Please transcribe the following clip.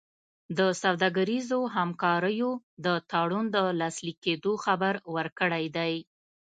د سوداګریزو همکاریو د تړون د لاسلیک کېدو خبر ورکړی دی.